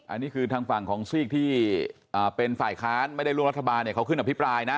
อันนี้คือทางฝั่งของซีกที่เป็นฝ่ายค้านไม่ได้ร่วมรัฐบาลเนี่ยเขาขึ้นอภิปรายนะ